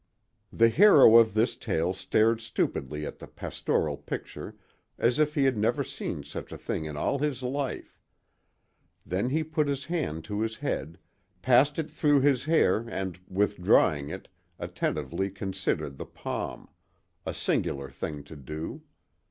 The hero of this tale stared stupidly at the pastoral picture as if he had never seen such a thing in all his life; then he put his hand to his head, passed it through his hair and, withdrawing it, attentively considered the palm—a singular thing to do.